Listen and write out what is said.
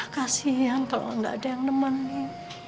kasian kalau gak ada yang nemani